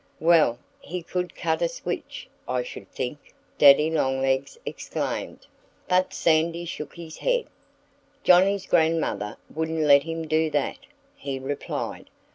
"Well, he could cut a switch, I should think!" Daddy Longlegs exclaimed. But Sandy shook his head. "Johnnie's grandmother wouldn't let him do that," he replied.